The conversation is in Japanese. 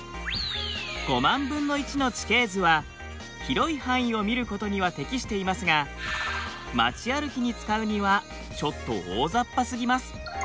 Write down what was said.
５万分の１の地形図は広い範囲を見ることには適していますが街歩きに使うにはちょっと大ざっぱすぎます。